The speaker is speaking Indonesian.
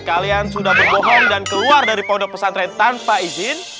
kalian sudah berbohong dan keluar dari pondok pesantren tanpa izin